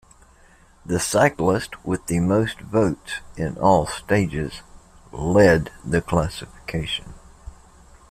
The cyclist with the most votes in all stages lead the classification.